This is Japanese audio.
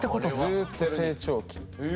ずっと成長期。